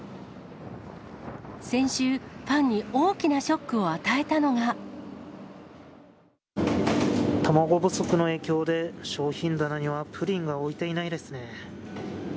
先週、ファンに大きなショックを卵不足の影響で、商品棚にはプリンが置いていないですね。